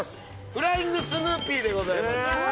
フライング・スヌーピーでございます。